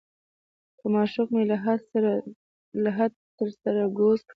که معشوق مې لحد ته سر کوز کړي.